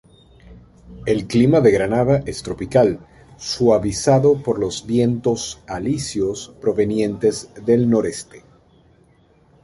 El clima de Granada es tropical, suavizado por los vientos alisios provenientes del noreste.